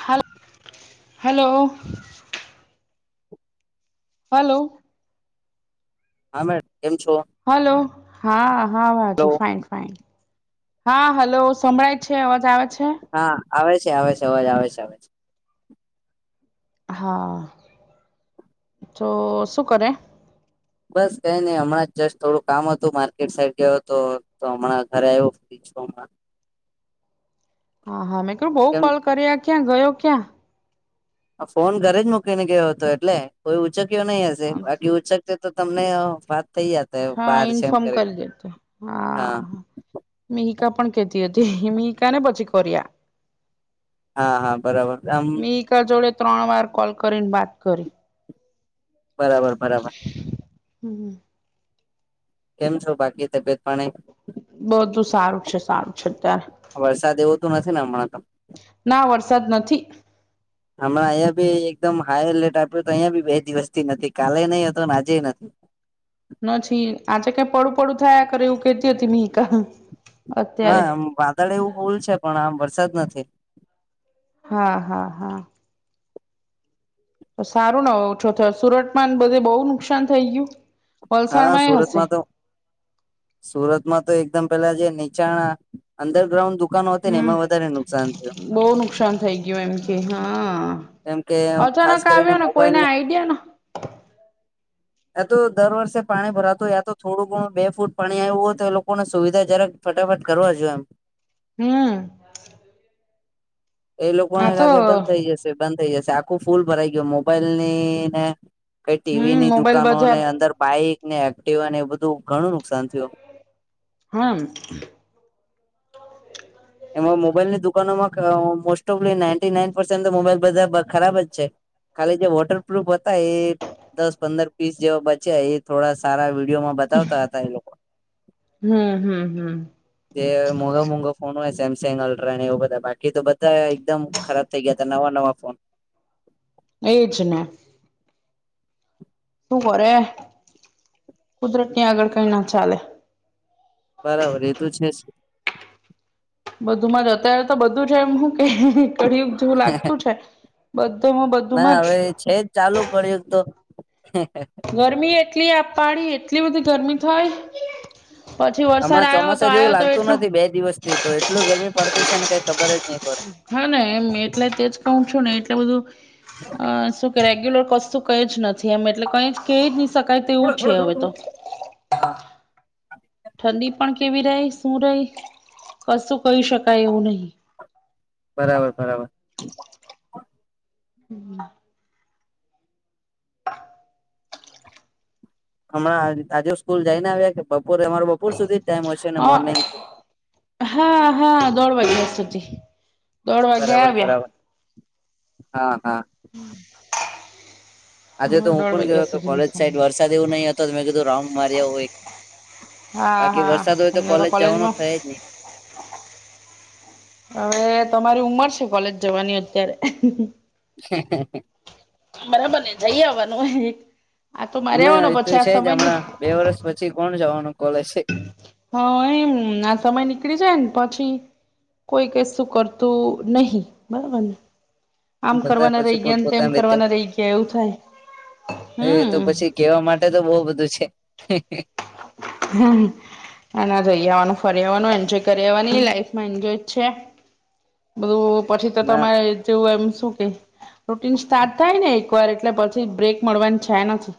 હાલ, hello. Hello. હા મેડ, કેમ છો? હાલો, હા હા હલો હાજી ફાઇન ફાઇન. હા, હાલો, સમ્રાઈ છે, અવાજ આવે છે? હા આવે છે, આવે છે, અવાજ આવે છે આવે છે. હા, તો શું કરે? બસ કઈ નઈ હમણાં જસ્ટ થોડું કામ હતું માર્કેટ સાઈડ ગયો હતો તો હમણાં ઘરે આવ્યું. [unintelligible] હા હા, મેં ક્યું બહુ કેમ કોલ કર્યા ક્યાં ગયો ક્યાં? આ ફોન ઘરે જ મૂકીને ગયો હતો એટલે કોઈ ઉચકયો નઈ હશે બાકી ઉંચક તે તો તમને વાત થઈ જાત હા, બાર છે એમ ઇન્ફોર્મ કરીને કરી દેતે હા. મિહિકા પણ કેતી હતી મીહિકા ને પછી કરિયા. હા હા બરાબર આમ. સર જોડે ત્રણ વાર કોલ કરીને વાત કરી. બરાબર, બરાબર. હમ્મ. કેમ છો બાકી તબિયત પાણી? બધું સારું છે સારું છે અત્યારે. આ વરસાદ એવો તો નથી ને હમણાં તો? ના વરસાદ નથી હમણાં અહીંયા બી એકદમ હાઈ એલર્ટ આપ્યો હતો અહીંયા બી બે દિવસ થી નથી કાલે નહી હતો આજે નથી. નથી આજે કઈ પડું પડું થયા કરે એવું કેતી હતી મેકા. હા આમ વાદળ એવું ભૂલ છે પણ આમ વરસાદ નથી. હા, હા, હા. તો સારું ને હવ ઓછો થયો, સુરતમાં બધે બહુ નુકસાન થઈ ગયું હા વલસાડમાં એ હશે. સુરતમાં તો સુરતમાં તો એકદમ પેલા જે નીચાણા અંડરગ્રાઉન્ડ દુકાનો હતી ને હમ એમાં વધારે નુકસાન થયું. બહુ નુકસાન થઇ ગયું એમ કે હા કેમ કે ખાસ અચાનક કરીને આવ્યો ને મોબાઈલ કોઈને આઈડિયા ન તો દર વર્ષે પાણી ભરાત હોય યા તો થોડું ઘણું બે ફૂટ પાણી આવ્યું હોય તો એ લોકોને સુવિધા જરાક ફટાફટ કરવા જોઈએ એમ હમ એ આ લોકોને તો લાગે બંધ થઈ જશે બંધ થઈ જશે આખું ફૂલ ભરાઈ ગયું મોબાઈલની ને કઈ હમ ટીવીની મોબાઈલ દુકાનો ને બજાર અંદર બાઈક ને એક્ટિવાને એ બધું ઘણું નુકસાન થયું હમ એમાં મોબાઈલની દુકાનોમાં most of ninety nine percent તો મોબાઈલ બધા ખરાબ જ છે ખાલી જે વોટરપ્રૂફ હતા એ દસ પંદર પીસ જેવા બચ્યા એજ થોડા સારા વિડીયો માં બતાવતા હતા એ લોકો હમ હમ હમ જે મોંઘા મોંઘા ફોનો હોય સેમસંગ અલ્ટ્રા ને એવ બધા બાકી તો બધા એકદમ ખરાબ થઈ ગયા હતા નવા નવા ફોન એજ ને શું કરે કુદરત ની આગળ કઈ ના ચાલે બરાબર એ તો છે જ બધું માં જ અત્યારે તો બધું છે એમ હું કે કરયું જેવું લાગતું છે બધામાં બધુંમાં ના જ હવે છે જ ચાલુ કર્યું તો ગરમી એટલી અકાડી એટલી બધી ગરમી થાય હમણાં ચોમાસા જ એવું લાગતું એટલો નથી બે દિવસ થી તો એટલું ગરમી પડતી છે ને કઈ ખબર જ નહી પડે હા ને એમ એટલે તે જ કહુ છું ને એટલે બધું શ કે રેગ્યુલર વસ્તુ કઈ જ નથી એમ એટલે કઈ કહી નહી શકાય તેવું છે હવે તો હા ઠંડી પણ કેવી રે શું રે કશું કહી શકાય એવું નહી બરાબર બરાબર હમ હમણાં આજુ સ્કૂલ જઈને આવ્યા કે બપોરે અમારો બપોર સુધી જ ટાઈમ હો છે ને મોર્નિંગ હ હા હા દોઢ વાગ્યા સુધી દોઢ વાગ્યા બરાબર આવ્યા બરાબર હા હા આજે તો અમારે હું દોઢ પણ ગયો વાગ્યા હતો સુધીનો કોલેજ સમય સાઈડ છે. વરસાદ એવું નહીં હતો તો મેં કીધું રાઉન્ડ મારી આવું એક હા બાકી હા વરસાદ હોય તો અમને કોલેજ જવાનો કોલેજમાં થાય જ નહી હવે તમારી ઉમર છે કોલેજ જવાની અત્યારે હે હે બરાબર ને જઈ આવવાનું એક આ તો ના મારેવાનો એ તો પછી આ છે જ સમય હમણાં બે વર્ષ પછી કોણ જવાનું કોલેજ છે હા એમ આ સમય નીકળી જાય ને પછી કોઈ કશું કરતું નહી બરાબરને આમ બધા કરવાના પછી રહી પોત ગયા તેમ પોતાની રીતે કરવાના રહી ગયા એવું થાય હમ કહેવા માટે તો બહુ બધું છે અને રહી આવાનું ફરી આવવાનું એન્જોય કરીવાની લાઈફમાં ઇન્જોય છે બધું પછી તો ના તમારે જેવું એમ શું કે રૂટીન સ્ટાર્ટ થાય ને એકવાર એટલે પછી બ્રેક મળવાની થાય નથી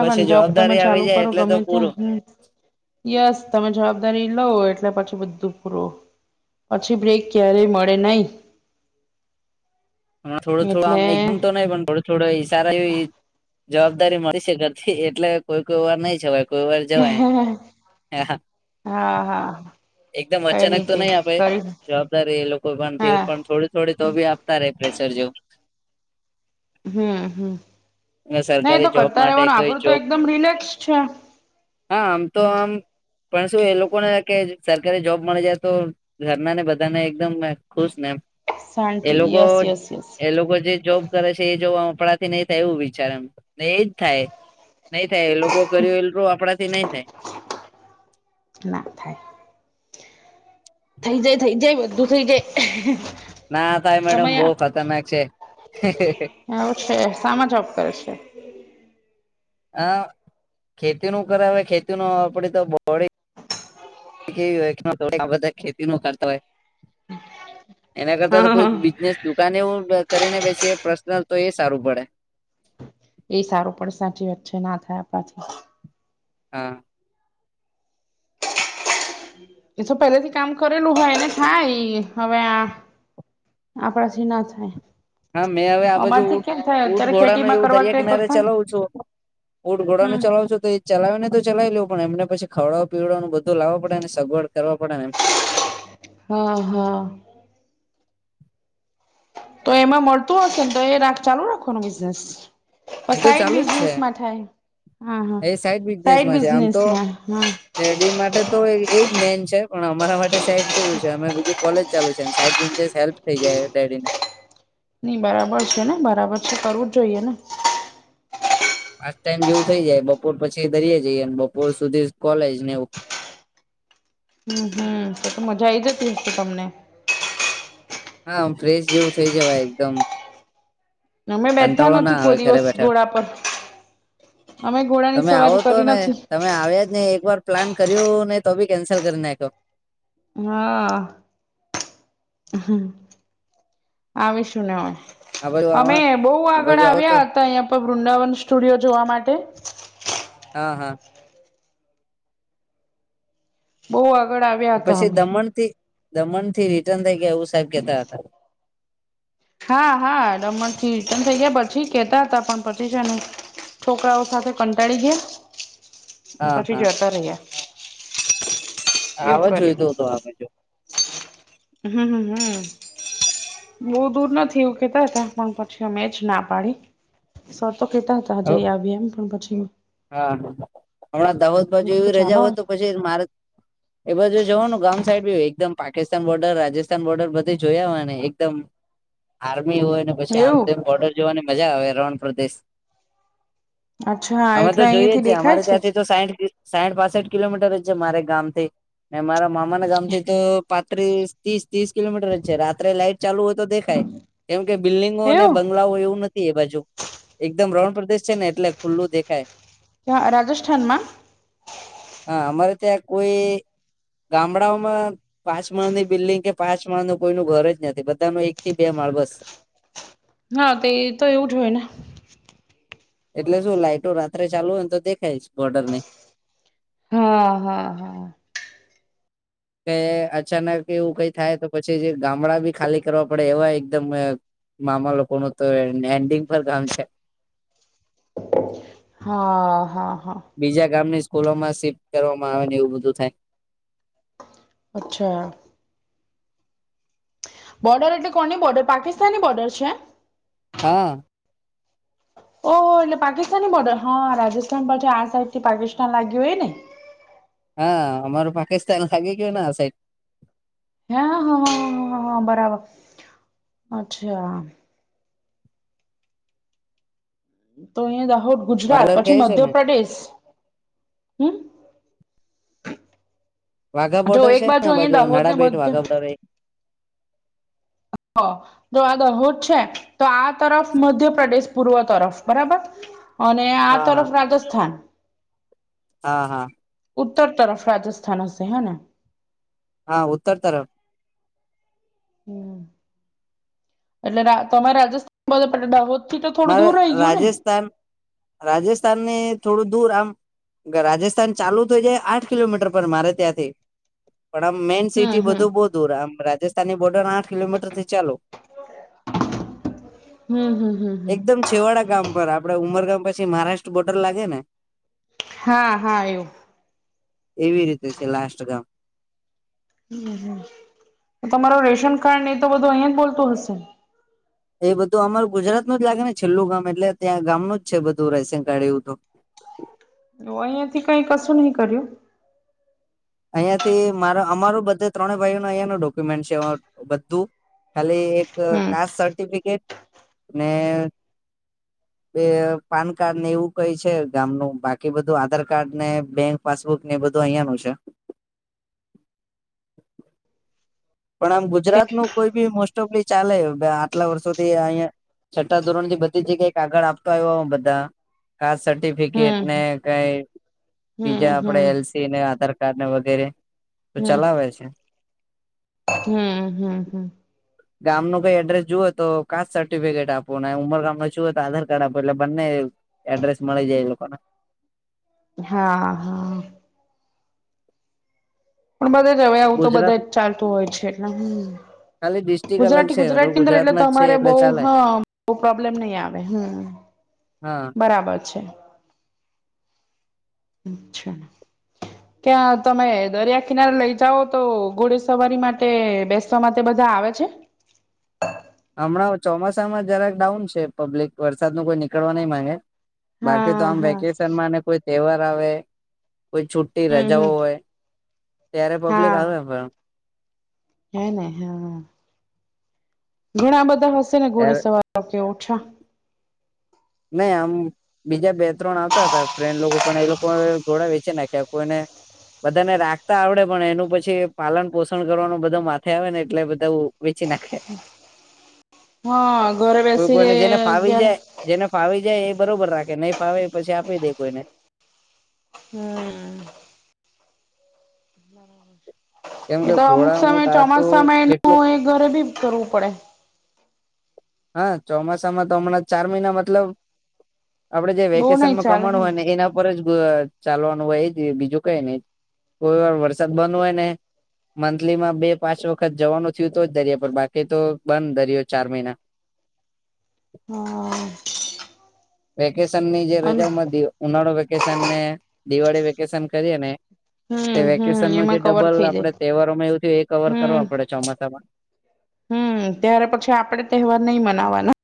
પછી જોબ તમે જવાબદારી આવી ચાલુ જાય કરો એટલે તો ગમે ત્યાં પૂરું હમ યસ તમે જવાબદારી લવ એટલે પછી બધું પૂરું પછી બ્રેક ક્યારેય મળે નહી થોડું થોડું આમ એટલે એકદમ તો નહી પણ થોડું થોડુ એ સારા એવી જવાબદારી મળી છે ઘરથી એટલે કોઈ કોઈ વાર નહી જવાય કોઈ વાર જવાય હા હા હ એકદમ અચાનક તો નહી આપે જવાબદારી એ લોકો પણ હા પણ થોડી થોડી તો બી આપે આપતા રે પ્રેેશસર જેવું હમ્મ હમ્મ અને નહી એ તો સરકારી જોબ કરતા માટે રહેવાનું કઈ આપડું તો જોબ એકદમ રિલેક્સ છે હા આમ તો આમ પણ શું એ લોકોને કે સરકારી જોબ મળી જાય તો ઘરનાને બધા ને એકદમ ખુશ ને એમ એ શાંતિ લોકો યસ યસ યસ એ લોકો જે જોબ કરે છે એ જોબ આપડાથી નહી થાય એવું વિચારે ને એજ થાય નઈ થાય એ લોકો કર્યું એલૂ આપડાથી નઈ થાય ના થાય થઈ જાય થઈ જાય બધું થઈ જાય ના થાય મેડમ સમય બહું ખતરનાક છે એવું છે શામાં જોબ કરે છે હા ખેતીનું કરાવે ખેતીનુ આપડી તો બોડી વી બધા ખેતીનું કરતા હોય એના કરતા તો કોઈ હા. બિઝનેસ દુકાને એવું કરીને બેસે પર્સનલ તો એ સારું પડે એ સારું પણ સાચી વાત [unintelligible] હા એ તો પેલેથી કામ કરેલું હોય ને થાય હવે આ આ પછી ના થાય હા મેં હવે આ બાજુ અમારથી કેમ થાય અત્યારે ઊંટઘોડાનું ખેતીમાં એવું કરવા દરિયા કે તો કિનારે થાય. ચલાવું છું ઉટઘોડા ને હમ. ચલાવ છું તો એ ચલાવીને તો ચલાવી લવ પણ એમ પછી ખવડવા પીવડવાનું બધું લાવવા પડે ને સગવડ કરવા પડે એમ હા હા તો એમાં મળતું હશે ને તો એ ચાલુ રાખવાનું બિઝનેસ એ તો સાઈડ ચાલુ જ છે બિઝનેસમાં થાય હા હા એ સાઈડ બિઝનેસમાં હા [unintelligible] એેડી માટે તો એજ મેન છે પણ અમારા માટે સાઈડ જેવું છે અમે બીજું કોલેજ ચાલુ છે સાઈડ બ [unintelligible] હેલ્પ થઈ જાય ડેડી ને નઈ બરાબર છે ને બરાબર છે કરવું જ જોઈએ ને પાર્ટ ટાઈમ જેવું થઈ જાય બપોર પછી દરિયે જઈએને બપોર સુધી કોલેજ ને એવ હમ્મ હમ્મ તો તો મજા આ આવી જતી હસે તમને હામ ફ્રેશ જેવું થઇ જવાય એકદમ અમે બેઠા કંટાળો ના નથી આવે કોઈ ઘરે દિવસ બેઠા ઘોડા પર અમે ઘોડાની તમે આવો સવારી તો કરી ને નથી તમે આવ્યા જ નાઈ ને એક વાર પ્લાન કર્યું ને તો બી કેન્સલ કરી નાખ્યો હા હમ્મ આવીશુંને હવે આ બાજુ અમે આવા બહુ આ આગળ બાજુ આવો તો આવ્યા હતા અહીં પર વૃંદાવન સ્ટુડિયો જોવા માટે હા હા બહુ આગળ આવે પછી દમણ થી દમણ થી રિટર્ન થઈ ગયા એવું સાહેબ કેતા હતા હા હા ડમણ થી રિટર્ન થઇ ગયા પછી કેતા હતા પણ પછી છે ને છોકરાઓ સાથે કંટાળી ગયા હા પછી હા જતા રહ્યા એવું આવા કર્યું જોઈતો તો આવે જો હમ્મ. બહુ દૂર નથી એવું કેતા હતા પણ પછી મે જ ના પાડી. સર તો કેતા હતા હવ જઈ આવીએ એમ પણ પછી હા હમણાં દાહોદ બાજુ એવી ચાલો રજાઓય તો પછી [unintelligible] મારે એ બાજુ જોવાનું ગામ સાઈડ બી એકદમ પાકિસ્તાન બોર્ડર રાજસ્થાન બોર્ડર બધી જોયા હોને એકદમ. આર્મી હોય ને પછી આમ એવું તો એમ બોર્ડર જોવાની મજા આવે રણપદેશ. અચ્છા અમે તો એટલે જોઈએ જ અહીંથી છે દેખાય અમારે ત્યાંથી તો સાહિઠ સાહિઠ પાસઠ કિલોમીટર જ છે મારે ગામથી. ને મારા મામા ના ગામ થી તો પાત્રીસ ત્રીસ ત્રીસ કિલોમીટર જ છે રાત્રે લાઈટ ચાલુ હોય તો દેખાય. કેમ કે બિલ્ડિંગો અને એવું બંગલાઓ એવું નથી એ બાજુ. એકદમ રણ પ્રદેશ છે ને એટલે ખુલ્લું દેખાય. ક્યા રાજસ્થાનમાં? હા, અમારે ત્યાં કોઈ ગામડાઓમાં પાંચ માળ ની બિલ્ડિંગ કે પાંચ માળ નું કોઈનું ઘર જ નથી બધા નું એક થી બે માળ બસ. હા તે તો એવું જ હોય ને. એટલે શું લાઈટો રાત્રે ચાલુ હોય ને તો દેખાયશ બોર્ડર ને. હા, હા. કે અચાનક એવું કઈ થાય તો પછી જે ગામડા બી ખાલી કરવા પડે એવા એકદમ મામા લોકો નું તો એન્ડિંગ પર ગામ છે. હા, હા, હા. બીજા ગામની સ્કૂલો માં શિફ્ટ કરવામાં આવે ને એવું બધું થાય. અચ્છા. બોર્ડર એટલે કોની બોર્ડર પાકિસ્તાની બોર્ડર છે? હા. ઓહો હો એટલે પાકિસ્તાની બોર્ડર, હા રાજસ્થાન પછી આ સાઈડ થી પાકિસ્તાન લાગ્યું હોય ને. હા, અમારુ પાકિસ્તાન લાગે કે આ સાઈટ. હે, હે, હા, હા હા, હા, બરાબર, અચ્છા. તો અહીંયા દાહોદ ગુજરાત વાગર કહે પછી છે ને મધ્યપ્રદેશ, હમ્મ? વાઘા જો બોર્ડર એક છે ને અહીંયા બાજુ દાહોદ ને નાડાબેટ મધ્ય વાઘા બોર્ડર. હા. જો આ દહોદ છે તો આ તરફ મધ્યપ્રદેશ પૂર્વ તરફ બરાબર? અને આ હા હા તરફ રાજસ્થાન? હા, હા. ઉત્તર તરફ રાજસ્થાન હશે હેને? હા ઉતર તરફ. હમ્મ. એટલે તમારે રાજસ્થાન બ પ દાહોદ થી તો થોડું મારે દૂર રહી ગયું ને? રાજસ્થાન ને થોડું દૂર આમ રાજસ્થાન ચાલુ થઈ જાય આઠ કિલોમીટર પર મારે ત્યાંથી. પણ આમ મેઈન સિટી હમ હમ બધું બહુ દૂર આમ રાજસ્થાની બોર્ડર આઠ કિલોમીટર થી ચાલુ. હમ્મ, હમ્મ. એકદમ છેવાડા ગામ પર આપડે ઉમરગામ પછી મહારાષ્ટ્ર બોર્ડર લાગે ને. હા, હા એવુ. એવી રીતે છે લાસ્ટ ગામ. હમ્મ, હમ્મ, તમારુ રેશન કાર્ડ ને એ તો બધું અહીયાં જ બોલતું હશે ને? એ બધું અમાર ગુજરાત નું જ લાગે ને છેલ્લું ગામ એટલે ત્યાં ગામ નું જ છે બધું રાેશન કાર્ડ એવું તો. અહિયાંથી કઈ કશું નહી કર્યું અહિયાં થી મારા અમારું બધે ત્રણેય ભાઈઓ ન અહંયા ન ડોક્યુમેન્ટ છે બધું ખાલી એક હમ કાસ્ટ સર્ટિફિકેટ ને [inaudible] એ પાન કાર્ડ ને એવું કઈ છે ગામ ન બાકી બધું આધાર કાર્ડ ને બેંક પાસબુક ને એ બધું અહિયાં નુ છે. પણ આમ ગુજરાત નું કોઈ બી મોસ્ટ ઓફલી ચાલે આટલા વર્ષોથી અહિયાં છઠ્ઠી ધોરણથી બધી જગ્યાએ કાગળ આપતો આવ્યો બધા કાસ્ટ સર્ટિફિકેટ હમ ને કઈ હમ બીજા હમ આપડે એલસી ને આધાર કાર્ડ ને વગેરે તો હમ ચલાવે છે. હમ હમ હમ ગામ ન કઈ એડ્રેસ જુઓ હો તો કાસ સર્ટિફિકેટ આપો ને ઉંમર ગામ ન જુઓ તો આધાર કાર્ડ આપો એટલે બંને એડ્ર્રેસ મળી જે એ લોકો ને હા હા. પણ બધા જ હવે આવું તો ગુજરાત બધા જ ચાલતું હોય છે એટલે હમ ખાલી બીસ ગુજરાતી ગુજરાતની અંદર એટલે તમારે બઉ ચાલે હ પ્રોબ્લેમ નહી આવે હમ હા બરાબર છે અચ્છા ક્યાં તમે દરિયા કિનારે લઈ જાઓ તો ઘોડે સવારી માટે બેસ માટે બધા આવે છે. હમણાં ચોમાસામાં જરાક ડાઉન છે પબ્લિક વરસાદ ન કોઈ નીકળવા નહીં માંગે બાકી તો હા આમ હા વેકેશનમાં કોઈ તહેવાર આવે કોઈ છ હમ રજા હમ હોય ત્યારે પબ્લિક આવે પણ હને હા હ ઘણા બધા હશે ને ઘોડે ત્યારે સવાર કે ઓછા નય આમ બીજા બે ત્રણ આવતા હતા ફ્રેન્ડ લોકો પણ એ લોકો ઘોડ વે છેે ક્યા કોઈને બધાને રાખતા આવડે પણ એનું પછી પાલન પોષણ કરવાનું બધું માથે આવે ને એટલે બધા વેચી નાખ્યા હા ઘરે કોઈ બેસીને કોઈને જેને ફાવી જાય જેને ફાવી જાય એ બરોબર રાખે નહીં ફાવે એ પછી આપી દે કોઈને હમ. કેમ એ કે તો અમુક ઘોડા સમય ઊંટ આ તો ચોમાસામાં જેટલું એનું એ ઘરે ભી કરવું પડે હા ચોમાસામાં તો હમણાં ચાર મહિના મતલબ આપડે જે બહુ વેકેશન નઈ માં ચાલે કમાણું હેન હોય ને એના ર જ ચાલવાનું હોય એ જ બીજું કઈ નહી કોઈ વાર વરસાદ બંધ હોય ને મંથલી માં બે પાંચ વખત જવાનું થયું તો જ દરિયા પર બાકી તો બંધ દરિયો ચાર મહિના હા વેકેશન ની જે અને રજાઓ માં ઉનાળો વેકેશન ને દિવાળી વેકેશન કરીએ ને હમ તે હમ વેકેશન નું જે એમાં કવર ડબલ થઈ આપડે જાય તહેવારોમાં એવું થયું એ કવર હમ કરવા પડે ચોમાસામાં હમ ત્યારે પછી આપડે તહેવાર નહી મનાવાના